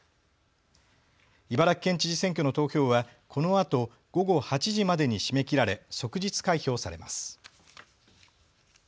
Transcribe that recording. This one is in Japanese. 茨城県知事選挙の投票はこのあと午後８時までに締め切られ即日開票されます。